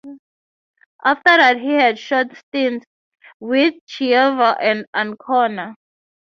After that he had short stints with Chievo and Ancona.